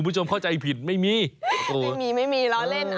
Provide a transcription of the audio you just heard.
พอแล้ว